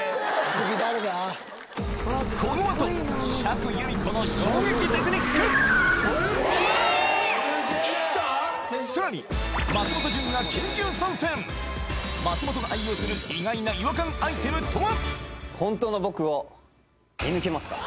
このあと釈由美子の衝撃テクニックさらに松本が愛用する意外な違和感アイテムとは？